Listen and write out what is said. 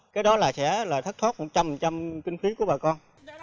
cái đó là sẽ là thất thoát một trăm linh kinh phí của bà con